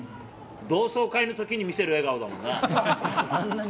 同窓会のときに見せる笑顔だもんな。